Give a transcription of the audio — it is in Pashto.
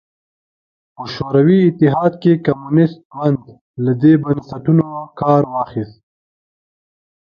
په شوروي اتحاد کې کمونېست ګوند له دې بنسټونو کار واخیست